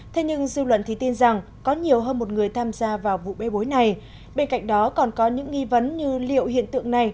thế nhưng dư luận thì tin rằng có nhiều hơn một người tham gia vào vụ bê bối này bên cạnh đó còn có những nghi vấn như liệu hiện tượng này